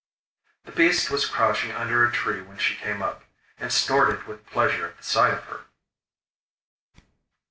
The beast was crouching under a tree when she came up, and snorted with pleasure at the sight of her.